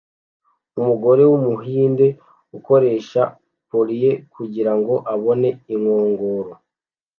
Umugore wumuhinde ukoresha pulley kugirango abone inkongoro